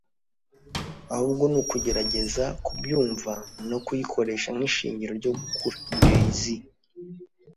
ahubwo ni ukugerageza kubyumva, no kuyikoresha nk'ishingiro ryo gukura.” —Jay-Z